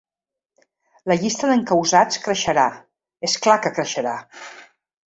La llista d’encausats creixerà, és clar que creixerà.